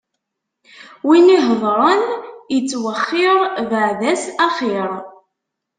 Win ihedṛen ittwexxiṛ, bɛed-as axiṛ!